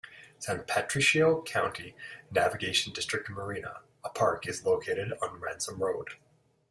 San Patricio County Navigation District Marina, a park, is located on Ransom Road.